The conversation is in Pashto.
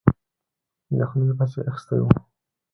یخنۍ پسې اخیستی وو.